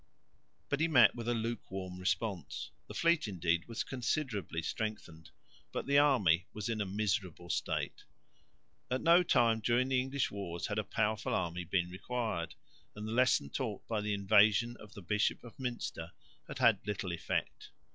But he met with a luke warm response. The fleet indeed was considerably strengthened, but the army was in a miserable state. At no time during the English wars had a powerful army been required, and the lesson taught by the invasion of the Bishop of Münster had had little effect.